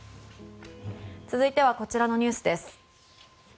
続いて、こちらのニュースです。